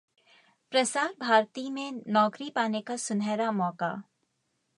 प्रसार भारती में नौकरी पाने का सुनहरा मौका